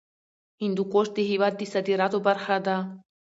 هندوکش د هېواد د صادراتو برخه ده.